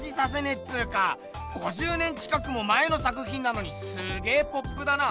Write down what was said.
っつうか５０年近くも前の作品なのにすげポップだな。